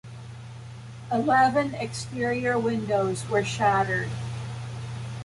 Eleven exterior windows were shattered.